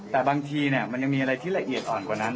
แต่บางทีมันยังมีอะไรที่ละเอียดอ่อนกว่านั้น